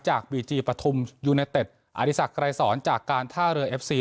บีจีปฐุมยูเนเต็ดอดีศักดรายสอนจากการท่าเรือเอฟซี